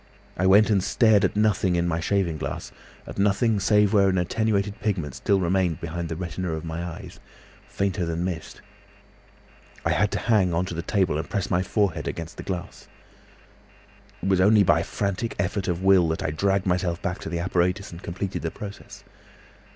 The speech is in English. I went and stared at nothing in my shaving glass, at nothing save where an attenuated pigment still remained behind the retina of my eyes, fainter than mist. I had to hang on to the table and press my forehead against the glass. "It was only by a frantic effort of will that I dragged myself back to the apparatus and completed the process.